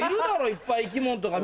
いっぱい生き物とか。